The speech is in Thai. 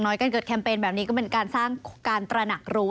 การเกิดแคมเปญแบบนี้ก็เป็นการสร้างการตระหนักรู้